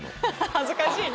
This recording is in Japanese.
恥ずかしいな！